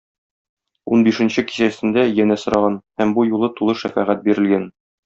Унбишенче кичәсендә янә сораган һәм бу юлы тулы шәфәгать бирелгән.